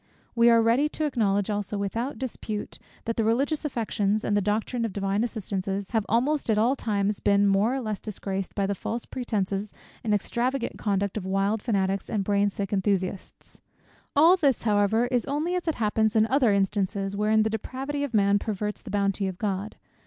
We are ready to acknowledge also without dispute, that the religious affections, and the doctrine of divine assistances, have almost at all times been more or less disgraced by the false pretences and extravagant conduct of wild fanatics and brain sick enthusiasts. All this, however, is only as it happens in other instances, wherein the depravity of man perverts the bounty of God.